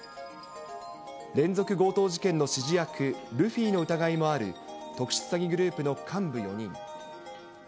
連続強盗事件の指示役、ルフィの疑いもある特殊詐欺グループの幹部４人。